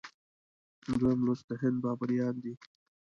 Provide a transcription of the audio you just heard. دویم لوست د هند بابریان دي.